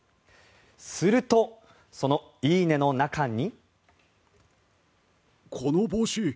するとその「いいね」の中に。